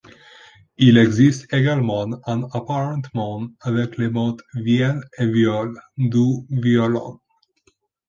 Il existe également un apparentement avec les mots vièle et viole, d'où violon.